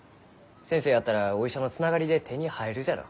先生やったらお医者のつながりで手に入るじゃろ。